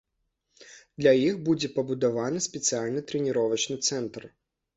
Для іх будзе пабудаваны спецыяльны трэніровачны цэнтр.